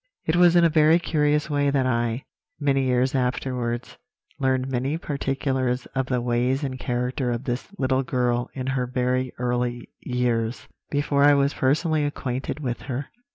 "It was in a very curious way that I, many years afterwards, learned many particulars of the ways and character of this little girl in her very early years, before I was personally acquainted with her.